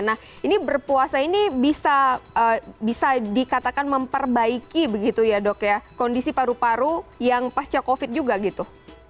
nah ini berpuasa ini bisa dikatakan memperbaiki begitu ya dok ya kondisi paru paru yang pasca covid juga gitu